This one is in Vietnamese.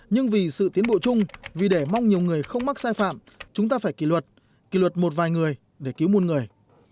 nhưng vì sự tiến bộ chung vì để mong nhiều người không mắc sai phạm chúng ta phải kỷ luật kỷ luật một vài người để cứu muôn người